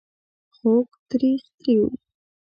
خوږ .. تریخ ... تریو ...